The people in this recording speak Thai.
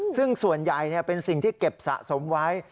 ซึ่งส่วนใหญ่เป็นสิ่งที่เก็บสะสมไว้